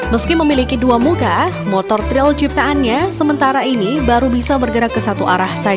meski memiliki dua muka motor tril ciptaannya sementara ini baru bisa bergerak ke satu arah saja